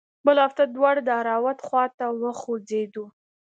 بله هفته دواړه د دهراوت خوا ته وخوځېدو.